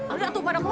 ibu bini gua selamat